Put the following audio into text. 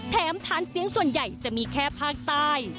แถมฐานเสียงส่วนใหญ่จะมีแค่ภาคใต้